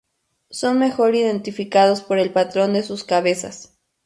Son mejor identificados por el patrón de sus cabezas.